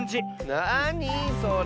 なにそれ？